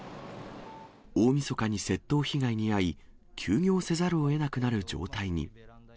大みそかに窃盗被害に遭い、休業せざるをえなくなる状態に。